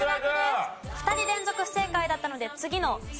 ２人連続不正解だったので次の佐藤さん